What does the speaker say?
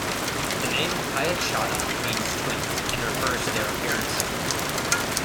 The name "Payachata" means "twins" and refers to their appearance.